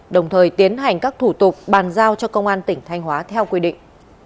đồng thời tiến hành các thủ tục bàn giao cho công an tỉnh thanh hóa theo quy định